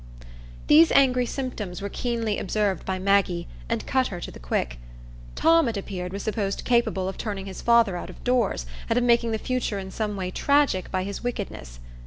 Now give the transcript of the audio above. These angry symptoms were keenly observed by Maggie, and cut her to the quick. Tom, it appeared, was supposed capable of turning his father out of doors, and of making the future in some way tragic by his wickedness.